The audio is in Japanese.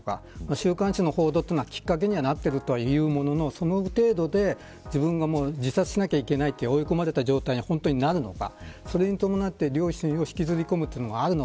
週刊誌の報道がきっかけになっているとはいうもののその程度で自分が自殺しなきゃいけないと追い込まれた状態に本当になるのか。